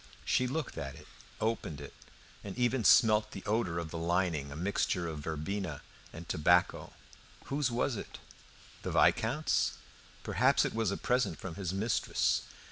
She looked at it, opened it, and even smelt the odour of the lining a mixture of verbena and tobacco. Whose was it? The Viscount's? Perhaps it was a present from his mistress.